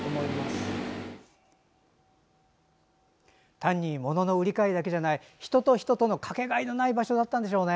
単に物の売り買いだけじゃない人と人との、かけがえのない場所だったんでしょうね。